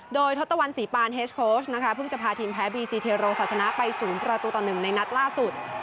โดยทศตวรรษีปานเฮสโค้ชนะคะเพิ่งจะพาทีมแพ้บีซีเทโรศาสนาไป๐ประตูต่อ๑ในนัดล่าสุด